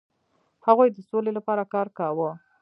هغوی د سولې لپاره کار کاوه.